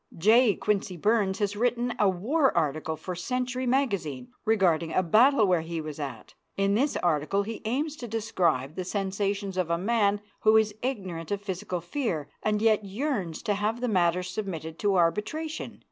J. Quincy Burns has written a war article for the Century Magazine, regarding a battle where he was at. In this article he aims to describe the sensations of a man who is ignorant of physical fear and yet yearns to have the matter submitted to arbitration.